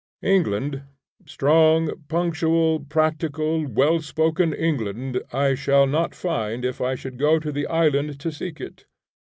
England, strong, punctual, practical, well spoken England I should not find if I should go to the island to seek it.